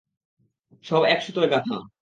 সব এক সুতোয় গাঁথা।